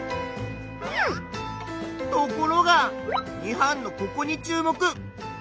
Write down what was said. ところが２班のここに注目！